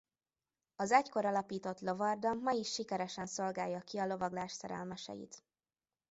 Az egykor alapított lovarda ma is sikeresen szolgálja ki a lovaglás szerelmeseit.